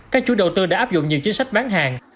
các chủ đầu tư đã áp dụng nhiều chính sách bán hàng